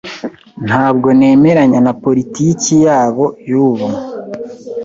Ntabwo nemeranya na politiki yabo y'ubu.